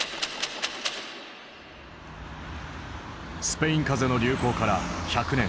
スペイン風邪の流行から１００年。